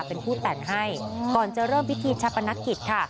เป็นผู้แต่งให้ก่อนจะเริ่มพิธีชาปนกิจค่ะ